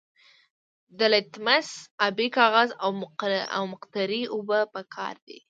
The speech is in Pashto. د لتمس ابي کاغذ او مقطرې اوبه پکار دي.